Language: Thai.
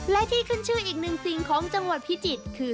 และที่ขึ้นชื่ออีกหนึ่งสิ่งของจังหวัดพิจิตรคือ